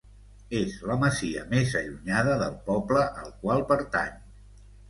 És la masia més allunyada del poble al qual pertany.